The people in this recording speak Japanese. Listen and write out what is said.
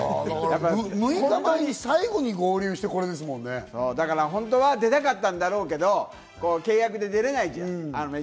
６日前に最後に合流して、本当は出たかったんだろけど、契約で出れないじゃん。